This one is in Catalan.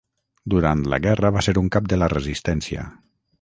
Durant la guerra va ser un cap de la resistència.